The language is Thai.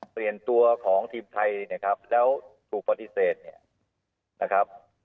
เปลี่ยนตัวของทีมไทยนะครับแล้วถูกปฏิเสธเนี่ยนะครับ